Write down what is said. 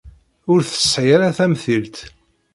Ur tesɛi ara tamtilt.